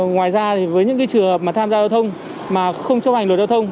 ngoài ra với những trường hợp mà tham gia giao thông mà không chấp hành lùi giao thông